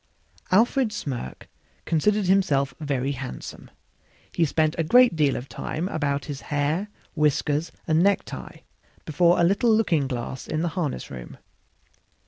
Alfred Smirk considered himself very handsome; he spent a great deal of time about his hair, whiskers and necktie, before a little looking glass in the harness room.